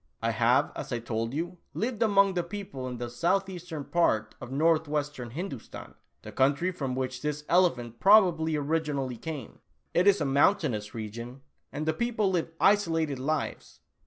I have, as I told you, lived among the people in the southeastern part of northwestern Hindoostan, the country from which this elephant probably originally came. It is a mountainous region, and the people live isolated lives.